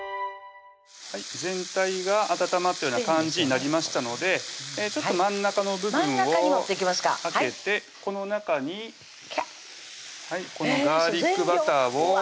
はい全体が温まったような感じになりましたのでちょっと真ん中の部分を空けて真ん中に持ってきますかこの中にこのガーリックバターを全量？